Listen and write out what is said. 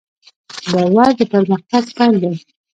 باور د پرمختګ پیل دی.